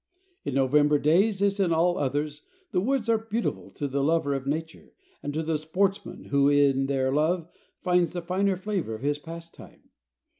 In November days, as in all others, the woods are beautiful to the lover of nature and to the sportsman who in their love finds the finer flavor of his pastime.